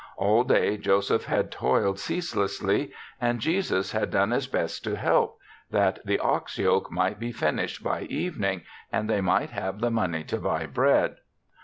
All day Joseph had toiled ceaselessly and Jesus had done his best to help, that the ox yoke might be finished by evening and they might have the money to buy bread.